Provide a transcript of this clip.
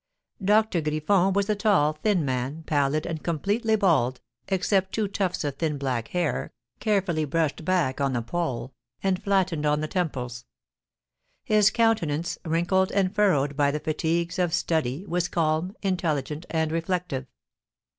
Doctor Griffon was a tall, thin man, pallid and completely bald, except two tufts of thin black hair, carefully brushed back on the poll, and flattened on the temples. His countenance, wrinkled and furrowed by the fatigues of study, was calm, intelligent, and reflective.